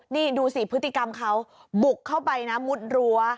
นี่ดูสิพฤติกรรมเขาบุกเข้าไปนะมุดรั้ว